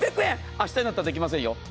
明日になったらできませんよ。